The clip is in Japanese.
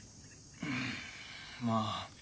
うんまあ